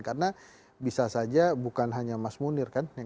karena bisa saja bukan hanya mas munir kan